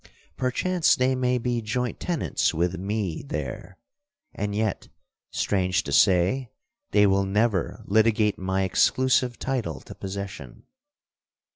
Perchance they may be joint tenants with me there; and yet (strange to say!) they will never litigate my exclusive title to possession.'